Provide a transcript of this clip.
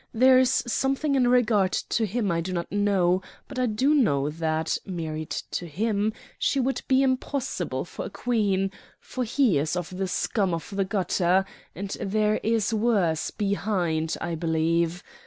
There is something in regard to him I do not know; but I do know that, married to him, she would be impossible for a Queen, for he is of the scum of the gutter, and there is worse behind, I believe.